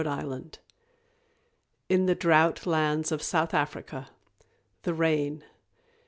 Dugmore._ IN THE DROUGHT LANDS OF SOUTH AFRICA. THE RAIN.